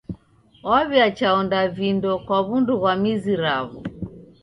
W'aw'iacha onda vindo kwa w'undu ghwa mizi raw'o.